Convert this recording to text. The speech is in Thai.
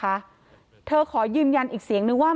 เพราะเธอขอยืมยันอีกเสียงว่า